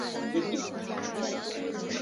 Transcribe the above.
治所约在今越南乂安省演州县境内。